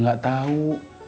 itu dia papa tau